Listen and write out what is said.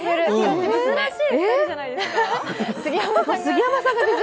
珍しい２人じゃないですか？